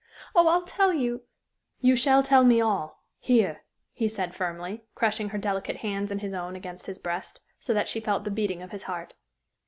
Oh, I'll tell you " "You shall tell me all here!" he said, firmly, crushing her delicate hands in his own against his breast, so that she felt the beating of his heart.